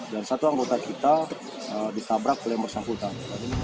dan satu anggota kita ditabrak oleh morsang putang